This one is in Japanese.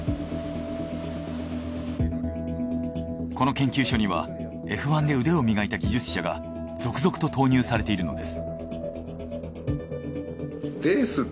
この研究所にはＦ１で腕を磨いた技術者が続々と投入されているのです。